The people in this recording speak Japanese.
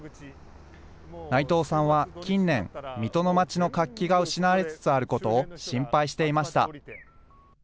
内藤さんは近年、水戸の街の活気が失われつつあることを心配していました。